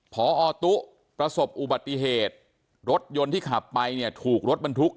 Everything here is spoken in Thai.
พอตุ๊ประสบอุบัติเหตุรถยนต์ที่ขับไปเนี่ยถูกรถบรรทุก